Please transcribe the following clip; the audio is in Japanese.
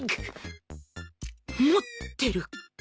持ってる